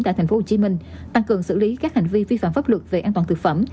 tại tp hcm tăng cường xử lý các hành vi vi phạm pháp luật về an toàn thực phẩm